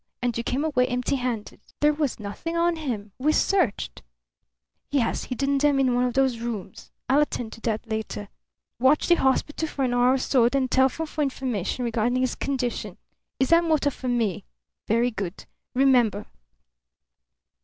And you came away empty handed." "There was nothing on him. We searched." "He has hidden them in one of those rooms. I'll attend to that later. Watch the hospital for an hour or so, then telephone for information regarding his condition. Is that motor for me? Very good. Remember!"